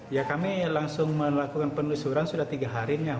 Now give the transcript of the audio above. ya kami langsung melakukan penelusuran sudah tiga harinya